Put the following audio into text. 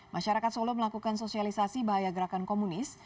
masyarakat solo melakukan sosialisasi bahaya gerakan komunis